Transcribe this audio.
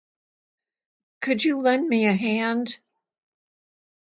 Could you lend me a hand?